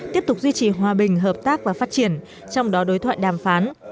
tiếp tục duy trì hòa bình hợp tác và phát triển trong đó đối thoại đàm phán